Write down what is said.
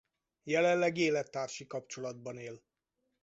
Jelenleg élettársi kapcsolatban él.